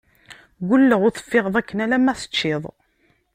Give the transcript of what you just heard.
Ggulleɣ ur teffiɣeḍ akken alamma teččiḍ!